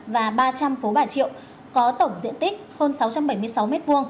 và ba trăm linh phố bà triệu có tổng diện tích hơn sáu trăm bảy mươi sáu m hai